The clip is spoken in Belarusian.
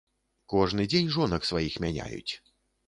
Кожны дзень жонак сваіх мяняюць.